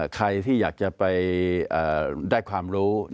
ใครที่อยากจะไปได้ความรู้